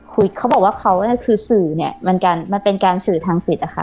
เขาบอกว่าเขาเนี่ยคือสื่อเนี่ยมันการมันเป็นการสื่อทางสิทธิอะค่ะ